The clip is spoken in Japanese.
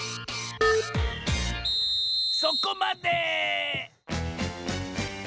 そこまで！